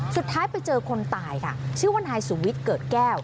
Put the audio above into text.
สุดท้ายไปเจอคนตายค่ะชื่อว่านายสุวิทย์เกิดแก้ว